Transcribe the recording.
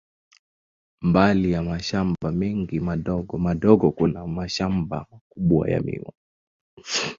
Mbali ya mashamba mengi madogo madogo, kuna mashamba makubwa ya miwa.